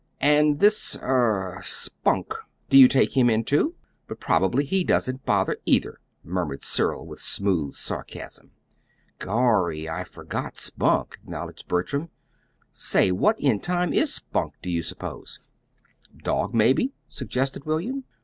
"And this er 'Spunk'; do you take him, too? But probably he doesn't bother, either," murmured Cyril, with smooth sarcasm. "Gorry! I forgot Spunk," acknowledged Bertram. "Say, what in time is Spunk, do you suppose?" "Dog, maybe," suggested William.